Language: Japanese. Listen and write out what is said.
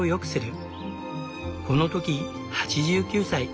この時８９歳。